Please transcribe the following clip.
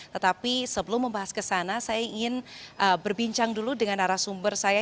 tetapi sebelum membahas ke sana saya ingin berbincang dulu dengan arah sumber saya